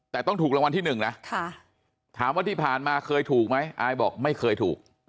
แต่ต้องถูกรางวัลที่หนึ่งนะถามว่าที่ผ่านมาเคยถูกไหมอายบอกไม่เคยถูก